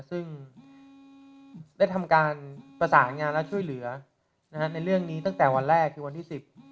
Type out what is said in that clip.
ซึ่งได้ทำการประสานงานและช่วยเหลือในเรื่องนี้ตั้งแต่วันแรกคือวันที่๑๐